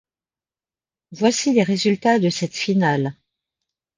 Voici les résultats de cette finale.